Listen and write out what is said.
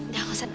gak usah nangis